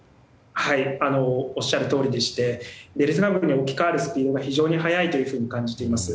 おっしゃるとおりでしてデルタ株に置き換わるスピードが非常に早いと感じています。